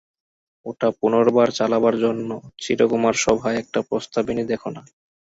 ওটা পুনর্বার চালাবার জন্যে চিরকুমার-সভায় একটা প্রস্তাব এনে দেখো-না।